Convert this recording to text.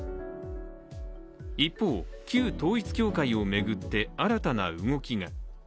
一方、旧統一教会を巡って新たな動きが。